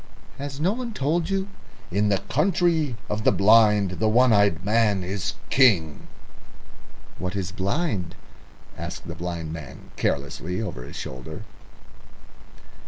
"Has no one told you, 'In the Country of the Blind the One eyed Man is King'?" "What is blind?" asked the blind man carelessly over his shoulder.